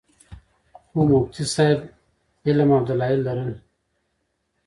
خو مفتي صېب علم او دلائل لرل